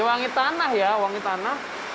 wangi tanah ya wangi tanah